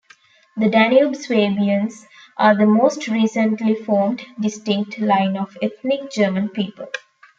The Danube Swabians are the most recently formed distinct line of ethnic German people.